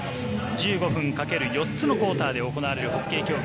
１５分かける４つのクオーターで行われるホッケー競技。